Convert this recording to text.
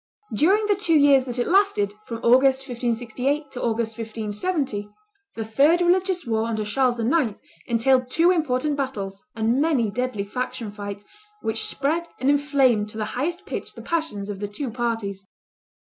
During the two years that it lasted, from August, 1568, to August, 1570, the third religious war under Charles IX. entailed two important battles and many deadly faction fights, which spread and inflamed to the highest pitch the passions of the two parties.